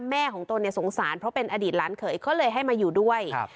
แม่ของตนเนี่ยสงสารเพราะเป็นอดีตหลานเขยก็เลยให้มาอยู่ด้วยครับ